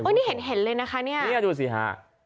โอ้ยนี่เห็นเลยนะคะนี่ดูสิฮะ